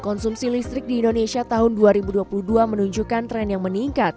konsumsi listrik di indonesia tahun dua ribu dua puluh dua menunjukkan tren yang meningkat